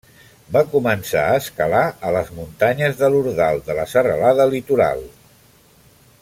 Va començar a escalar a les Muntanyes de l'Ordal de la serralada litoral.